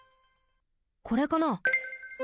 これかな？